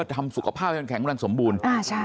ทำสุขภาคนแข่งพนักศัพท์สมบูรณ์